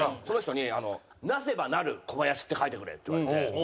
その人に「なせば成るコバヤシ」って書いてくれって言われて。